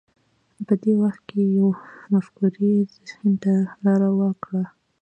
په دې وخت کې یوې مفکورې ذهن ته لار وکړه